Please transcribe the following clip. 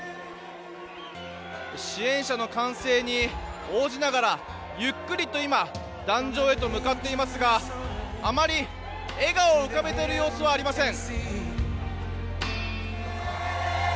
支援者の歓声に応じながらゆっくりと今壇上へと向かっていますがあまり笑顔を浮かべている様子はありません。